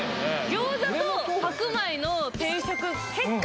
餃子と白米の定食結果